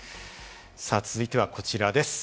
続いてはこちらです。